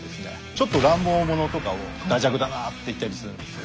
ちょっと乱暴者とかを「だじゃくだな」って言ったりするんですよ。